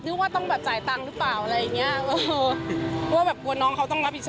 คิดว่าต้องแบบใจตังค์หรือเปล่าอะไรอย่างเงี้ย